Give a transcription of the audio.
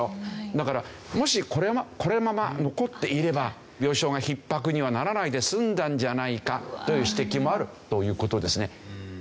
だからもしこのまま残っていれば病床がひっ迫にはならないで済んだんじゃないかという指摘もあるという事ですね。